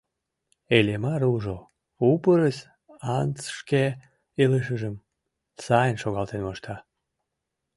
Иллимар ужо: у пырыс Антс шке илышыжым сайын шогалтен мошта.